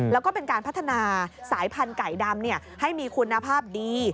แล้วก็เป็นการพัฒนาสายพันธุ์ไก่ดำให้มีคุณภาพดี